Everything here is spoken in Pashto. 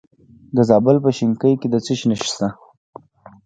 د زابل په شینکۍ کې د څه شي نښې دي؟